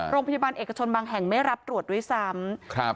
โรงพยาบาลเอกชนบางแห่งไม่รับตรวจด้วยซ้ำ